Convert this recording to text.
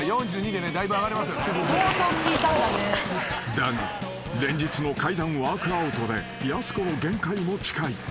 ［だが連日の階段ワークアウトでやす子の限界も近い］